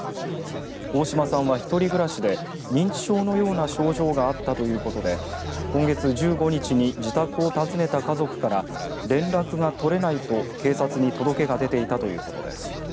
大島さんは１人暮らしで認知症のような症状があったということで今月１５日に自宅を訪ねた家族から連絡が取れないと警察に届けが出ていたということです。